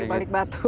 udang dibalik batu